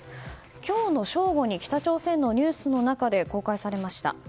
今日の正午に北朝鮮のニュースの中で公開されました。